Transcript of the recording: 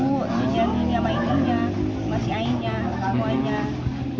itu jadinya mainnya masih ainya kawannya